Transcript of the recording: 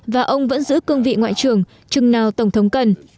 và ông vẫn giữ cương vị ngoại trưởng chừng nào tổng thống cần